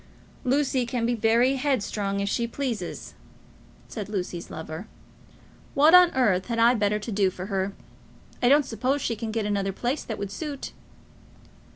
"Lucy can be very headstrong if she pleases," said Lucy's lover. "What on earth had I better do for her? I don't suppose she can get another place that would suit."